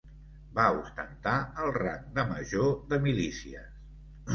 Va ostentar el rang de major de milícies.